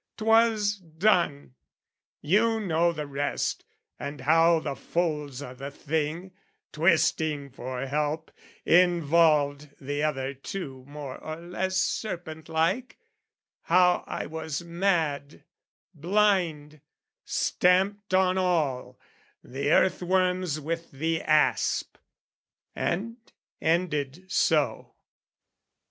'Twas done: You know the rest and how the folds o' the thing, Twisting for help, involved the other two More or less serpent like: how I was mad, Blind, stamped on all, the earth worms with the asp, And ended so.